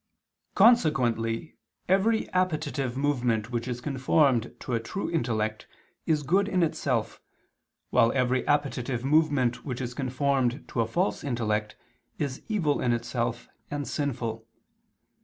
Consequently every appetitive movement which is conformed to a true intellect, is good in itself, while every appetitive movement which is conformed to a false intellect is evil in itself and sinful.